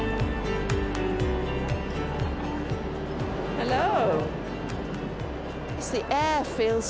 ハロー！